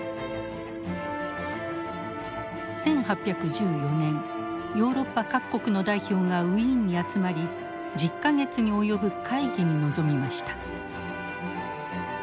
１８１４年ヨーロッパ各国の代表がウィーンに集まり１０か月に及ぶ会議に臨みました。